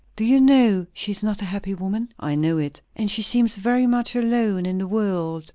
"Do you know, she is not a happy woman?" "I know it." "And she seems very much alone in the world."